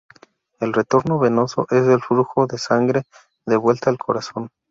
El retorno venoso es el flujo de sangre de vuelta al corazón.